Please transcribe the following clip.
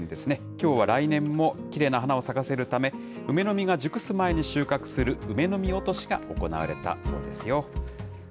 きょうは来年もきれいな花を咲かせるため、梅の実が熟す前に収穫する、梅の実落としが行われたそうですよ。